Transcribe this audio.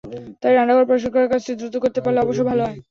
তাই রান্নাঘর পরিষ্কার করার কাজটি দ্রুত করতে পারলে অবশ্যই ভালো হয়।